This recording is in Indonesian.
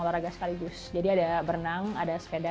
olahraga sekaligus jadi ada berenang ada sepeda ada lari